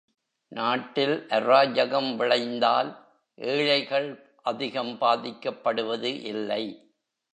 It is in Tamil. நாட்டில் அராஜகம் விளைந்தால் ஏழைகள் அதிகம் பாதிக்கப்படுவது இல்லை.